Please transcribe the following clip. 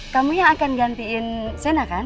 kamu yang akan gantiin sena kan